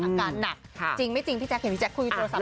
อาการหนักจริงไม่จริงพี่แจ๊กเห็นพี่แจ๊กคุยโทรศัพท์กับพี่นวัด